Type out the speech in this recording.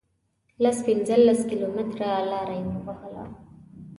لس پنځلس کیلومتره لار یې ووهله.